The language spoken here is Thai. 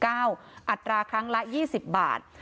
อัตราครั้งละ๒๐บาท